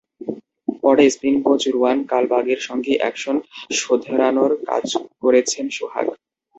পরে spin coach Ruwan কালপাগের সঙ্গে অ্যাকশন শোধরানোর কাজ করেছেন সোহাগ।